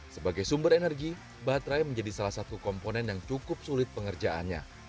sebagai sumber energi baterai menjadi salah satu komponen yang cukup sulit pengerjaannya